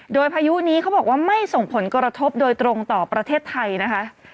โดยพายุนี้เขาบอกว่าไม่ส่งผลกระทบโดยตรงต่อประเทศไทยนะคะ